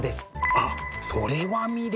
あっそれは魅力。